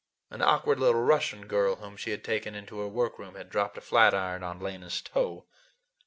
An awkward little Russian girl whom she had taken into her work room had dropped a flat iron on Lena's toe.